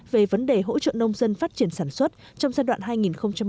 về vấn đề hỗ trợ nông dân phát triển sản xuất trong giai đoạn hai nghìn một mươi sáu hai nghìn hai mươi